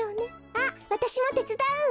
あっわたしもてつだう。